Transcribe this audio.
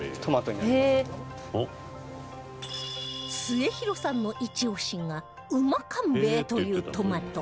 末廣さんのイチ押しがうまかんベェというトマト